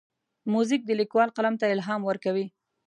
موزیک د لیکوال قلم ته الهام ورکوي.